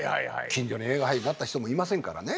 近所に映画俳優になった人もいませんからね。